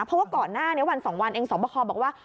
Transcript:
เพราะว่าก่อนหน้านี้วัน๒วันเองสอบคอบอกว่า